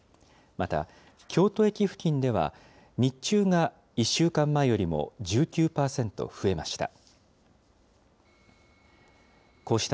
また、京都駅付近では、日中が１週間前よりも１９％増えました。